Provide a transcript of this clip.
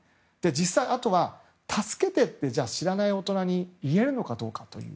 あとは助けてと知らない大人に言えるのかどうかという。